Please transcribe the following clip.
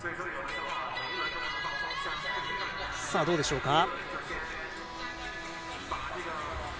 どうでしょうか。